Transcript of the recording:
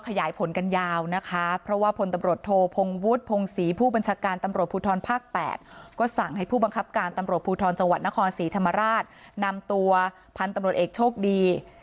ขยายผลกันยาวนะคะเพราะว่าผลตำรวจโทพงวุฒิพงศรี